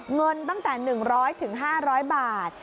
เงินตั้งแต่๑๐๐๕๐๐บาท